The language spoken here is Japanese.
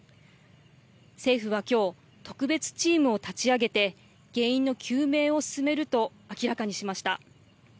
政府は今日特別チームを立ち上げて原因の究明を進めると明らかにしました。